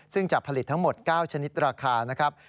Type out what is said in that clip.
ซึ่งจะผลิตทั้งหมด๙ชนิดราคานะครับ